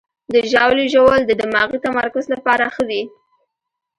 د ژاولې ژوول د دماغي تمرکز لپاره ښه وي.